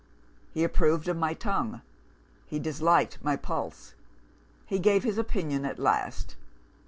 he approved of my tongue; he disliked my pulse; he gave his opinion at last.